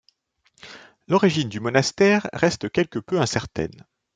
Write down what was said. L'origine du monastère reste quelque peu incertaine.